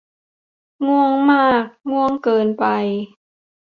ง่วงมาก ง่วงเกินไป